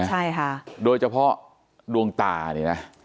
ใช่ค่ะโดยเฉพาะดวงตาเนี่ยนะ